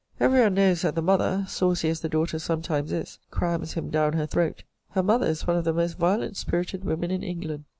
Every one knows that the mother, (saucy as the daughter sometimes is,) crams him down her throat. Her mother is one of the most violent spirited women in England.